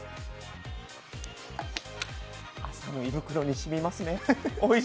胃袋に染みますね。